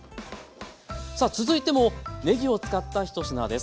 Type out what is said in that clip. さあ続いてもねぎを使った１品です。